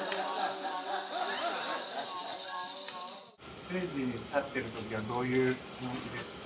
ステージに立ってる時はどういう気持ちですか？